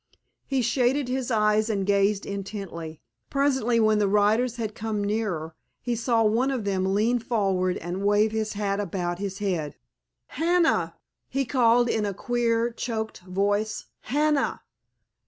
He shaded his eyes and gazed intently. Presently when the riders had come nearer he saw one of them lean forward and wave his hat about his head. "Hannah!" he called in a queer, choked voice, "Hannah!"